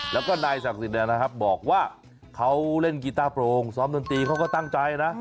แล้วก็นายศักดิ์สิทธิ์บอกว่าเขาเล่นกีต้าโปรงซ้อมดนตรีเขาก็ตั้งใจนะ